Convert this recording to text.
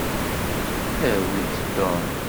Awi-d Tom.